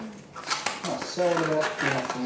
まあ飛車を狙っていますね。